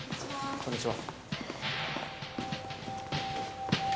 こんにちは